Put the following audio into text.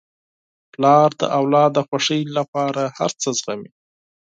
پلار د اولاد د خوښۍ لپاره هر څه زغمي.